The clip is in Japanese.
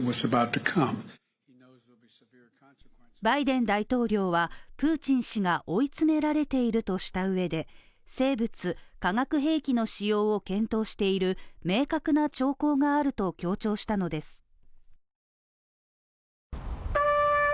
バイデン大統領はプーチン氏が追い詰められているとしたうえで生物・化学兵器の使用を検討している明確な兆候があると強調したのです。